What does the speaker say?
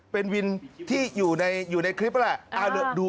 เป็นวินที่อยู่ในคลิปนั่นแหละ